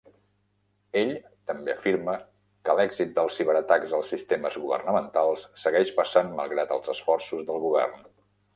Ell també afirma que l'èxit dels ciberatacs als sistemes governamentals segueix passant malgrat els esforços del govern.